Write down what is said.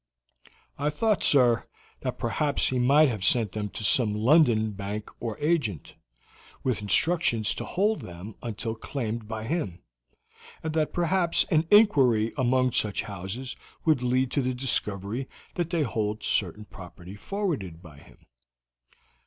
"I thought, sir, that perhaps he might have sent them to some London Bank or agent, with instructions to hold them until claimed by him, and that perhaps an inquiry among such houses would lead to the discovery that they hold certain property forwarded by him."